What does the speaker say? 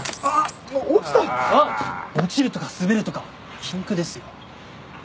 あっ落ちるとか滑るとか禁句ですよ。